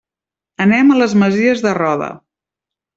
Anem a les Masies de Roda.